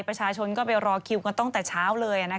ประชาชนก็ไปรอคิวกันตั้งแต่เช้าเลย